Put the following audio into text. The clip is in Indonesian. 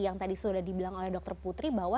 yang tadi sudah dibilang oleh dokter putri bahwa